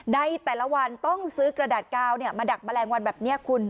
ในแต่ละวันต้องซื้อกระดาษกาวมาดักแมลงวันแบบนี้คุณ